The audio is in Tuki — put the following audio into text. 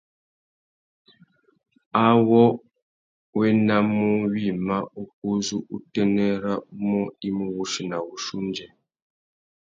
Awô wa enamú wïmá ukú uzu utênê râ umô i mú wussi na wuchiô undjê.